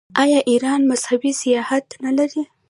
آیا ایران مذهبي سیاحت نلري؟